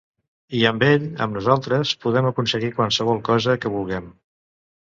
I amb ell, amb nosaltres, podem aconseguir qualsevol cosa que vulguem.